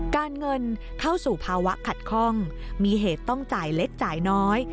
การเงินเข้าสู่ภาวะขัดข้องมีเหตุต้องจ่ายเล็กจ่ายน้อย